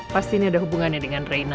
pasti ini ada hubungannya dengan raina